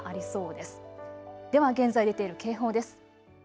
では現在出ている警報です。